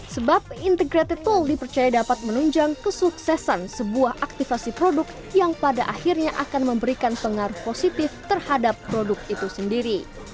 sebab integrated toel dipercaya dapat menunjang kesuksesan sebuah aktivasi produk yang pada akhirnya akan memberikan pengaruh positif terhadap produk itu sendiri